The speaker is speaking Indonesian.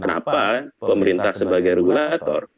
kenapa pemerintah sebagai regulator